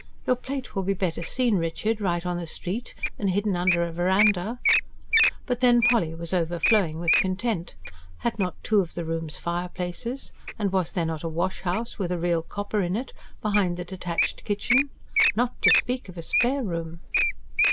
"Your plate will be better seen, Richard, right on the street, than hidden under a verandah." But then Polly was overflowing with content. Had not two of the rooms fireplaces? And was there not a wash house, with a real copper in it, behind the detached kitchen? Not to speak of a spare room!